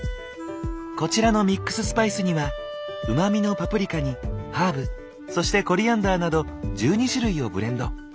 こちらのミックススパイスにはうまみのパプリカにハーブそしてコリアンダーなど１２種類をブレンド。